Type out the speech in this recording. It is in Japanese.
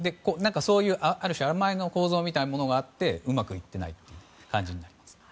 そういう、ある種甘えの構造みたいなものがあってうまくいっていない感じですね。